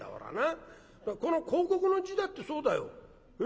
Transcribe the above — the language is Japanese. この広告の字だってそうだよ。